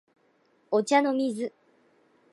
お茶の水